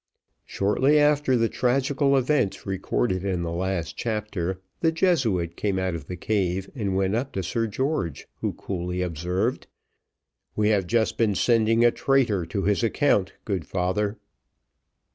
Shortly after the tragical event recorded in the last chapter, the Jesuit came out of the cave and went up to Sir George, who coolly observed, "We have just been sending a traitor to his account, good father."